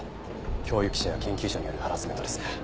教育者や研究者によるハラスメントです。